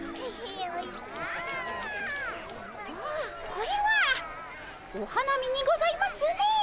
これはお花見にございますね。